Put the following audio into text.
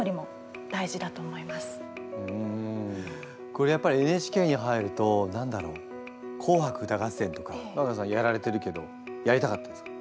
これやっぱりＮＨＫに入ると何だろう「紅白歌合戦」とか和久田さんやられてるけどやりたかったですか？